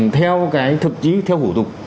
theo cái thực chí theo hủ tục